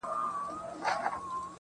• ولي مي هره شېبه هر ساعت پر اور کړوې.